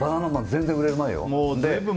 全然売れる前よ。